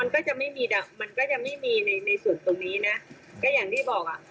อาหารตรงปกจริงหรือเปล่าอันนี้ค่ะ